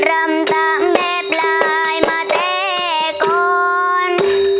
รำตามแม่ปลายมาแต่ก่อน